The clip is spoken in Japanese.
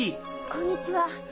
こんにちは。